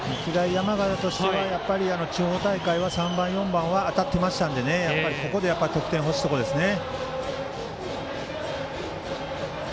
山形としては地方大会は３番、４番当たっていましたのでここで得点が欲しいところですね。